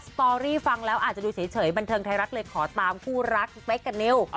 สตอรี่ฟังแล้วอาจจะดูเฉยบันทึงไทยรักเล็กตาเติมคู่รักมัยกระเนล